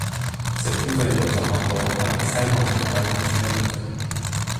Cette nouvelle est en rapport avec Silent ai, du même auteur.